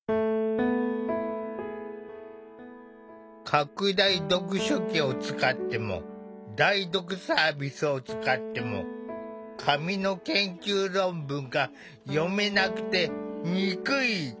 拡大読書器を使っても代読サービスを使っても紙の研究論文が読めなくて憎い！